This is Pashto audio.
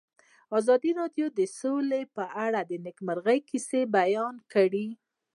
ازادي راډیو د سوله په اړه د نېکمرغۍ کیسې بیان کړې.